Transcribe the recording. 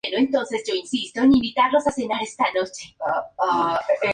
Se encuentra en el Campus Universitario Norte de Santiago de Compostela.